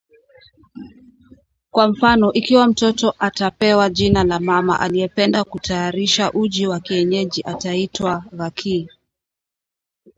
Kwa mfano ikiwa mtoto atapewa jina la mama aliyependa kutayarisha uji wa kienyeji ataitwa Gakii